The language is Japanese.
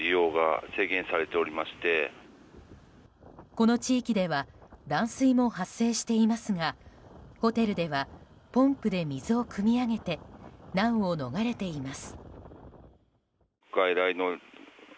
この地域では断水も発生していますがホテルではポンプで水をくみ上げて難を逃れています。